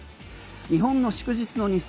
日本の祝日の日数